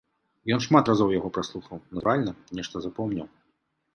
Ён шмат разоў яго праслухаў, натуральна, нешта запомніў.